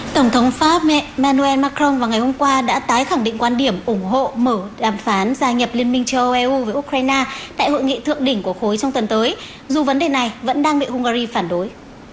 tổng thống pháp emmuel macron vào ngày hôm qua đã tái khẳng định quan điểm ủng hộ mở đàm phán gia nhập liên minh châu âu eu với ukraine tại hội nghị thượng đỉnh của khối trong tuần tới dù vấn đề này vẫn đang bị hungary phản đối